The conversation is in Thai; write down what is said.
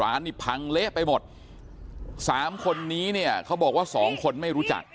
ร้านนี้พังเละไปหมดสามคนนี้เนี่ยเขาบอกว่าสองคนไม่รู้จัก